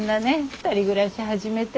２人暮らし始めて。